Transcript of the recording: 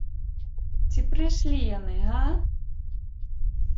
Ці прыйшлі яны, га?